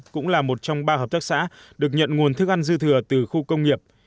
cũng là một trong ba hợp tác xã được nhận nguồn thức ăn dư thừa từ khu công nghiệp